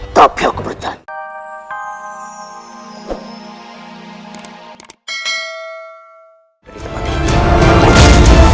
tapi aku berhenti